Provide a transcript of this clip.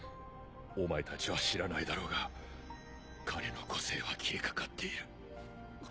お前たちは知らないだろうが彼の個性は消えかかっている。